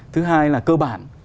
thứ hai là cơ bản